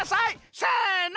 せの！